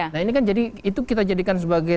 nah ini kan jadi itu kita jadikan sebagai